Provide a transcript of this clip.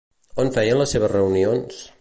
On feien les seves reunions?